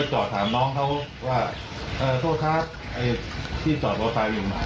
โหมโกขึ้นมา